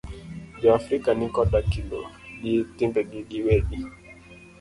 Jo Afrika ni koda kido gi timbegi gi wegi.